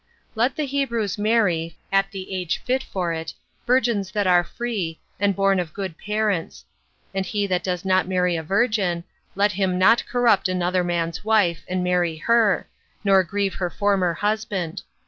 23. Let the Hebrews marry, at the age fit for it, virgins that are free, and born of good parents. And he that does not marry a virgin, let him not corrupt another man's wife, and marry her, nor grieve her former husband.